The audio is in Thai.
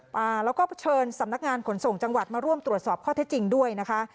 อ่าแล้วก็เชิญสำนักงานขนส่งจังหวัดมาร่วมตรวจสอบข้อเท็จจริงด้วยนะคะ